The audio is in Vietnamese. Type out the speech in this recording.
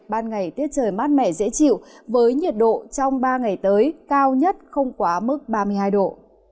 ban ngày tiết trời mát mẻ dễ chịu với nhiệt độ trong ba ngày tới cao nhất không quá mức ba mươi hai độ